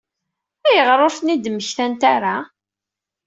Ayɣer ur ten-id-mmektant ara?